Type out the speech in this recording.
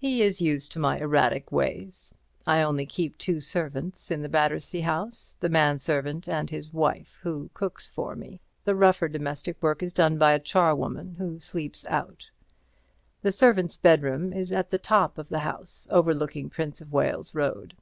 He is used to my erratic ways. I only keep two servants in the Battersea house—the man servant and his wife, who cooks for me. The rougher domestic work is done by a charwoman, who sleeps out. The servants' bedroom is at the top of the house, overlooking Prince of Wales Road.